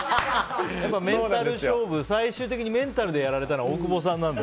メンタル勝負、最終的にメンタルでやられたのは大久保さんなので。